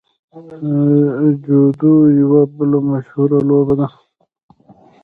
جودو یوه بله مشهوره لوبه ده.